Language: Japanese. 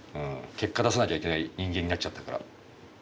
結果出さなきゃいけない人間になっちゃったから。